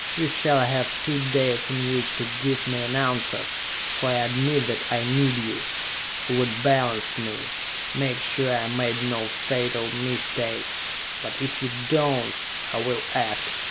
You shall have two days in which to give me an answer, for I admit that I need you, who would balance me, make sure I made no fatal mistakes! But if you do not, I will act